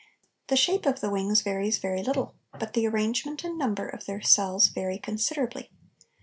The shape of the wings varies very little, but the arrangement and number of their cells vary considerably.